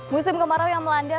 musim kemarau yang melanda